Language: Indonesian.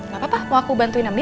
gak apa apa mau aku bantuin ambil